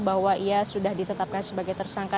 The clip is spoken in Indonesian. bahwa ia sudah ditetapkan sebagai tersangka